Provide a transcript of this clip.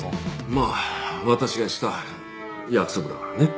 まあ私がした約束だからね。